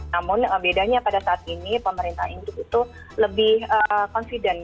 namun bedanya pada saat ini pemerintah induk itu lebih confident